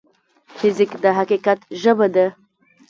فزیک د حقیقت ژبه ده.